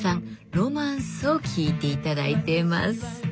「ロマンス」を聴いて頂いています。